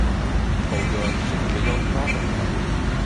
猴哥，师父被妖精抓走了